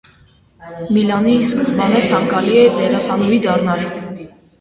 Միլիանն ի սկզբանե ցանկացել է դերասանուհի դառնալ։